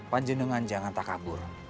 panjendengan jangan tak kabur